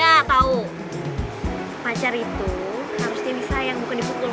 iya tau pacar itu harus dirisai yang bukan dipukul